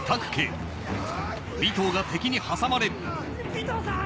尾到さん！